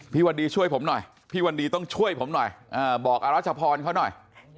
วันดีช่วยผมหน่อยพี่วันดีต้องช่วยผมหน่อยบอกอรัชพรเขาหน่อย